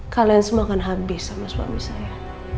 kalian semua kan habis sama suami saya